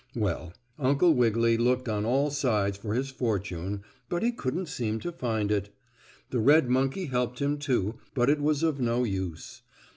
Well, Uncle Wiggily looked on all sides for his fortune, but he couldn't seem to find it. The red monkey helped him, too, but it was of no use.